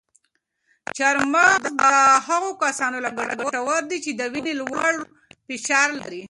چهارمغز د هغو کسانو لپاره ګټور دي چې د وینې لوړ فشار لري.